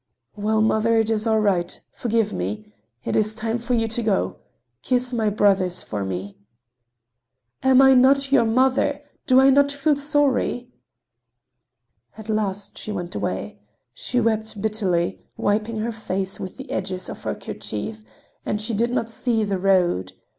"Well, mother, it is all right. Forgive me. It is time for you to go. Kiss my brothers for me." "Am I not your mother? Do I not feel sorry?" At last she went away. She wept bitterly, wiping her face with the edges of her kerchief, and she did not see the road.